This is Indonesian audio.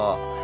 aduh mah bro